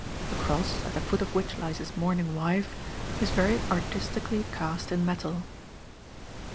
A cross, at the foot of which lies his mourning wife, is very artistically cast in metal.